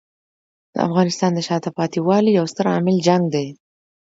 د افغانستان د شاته پاتې والي یو ستر عامل جنګ دی.